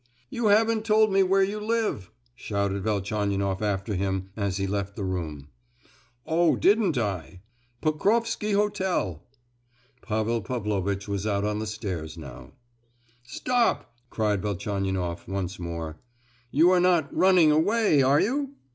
"You haven't told me where you live," shouted Velchaninoff after him as he left the room. "Oh, didn't I? Pokrofsky Hotel." Pavel Pavlovitch was out on the stairs now. "Stop!" cried Velchaninoff, once more. "You are not 'running away,' are you?"